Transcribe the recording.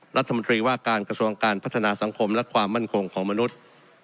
รัฐมนตรีว่าการกระทรวงการพัฒนาสังคมและความมั่นคงของมนุษย์